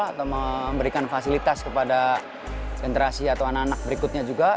atau memberikan fasilitas kepada generasi atau anak anak berikutnya juga